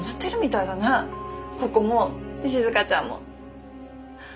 ここも静ちゃんも。